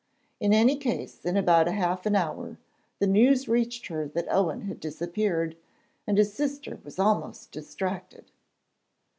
In any case, in about half an hour the news reached her that Owen had disappeared, and his sister was almost distracted.